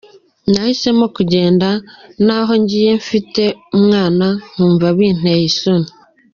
Nahisemo kugenda naho ngiye mfite umwana nkumva binteye isoni.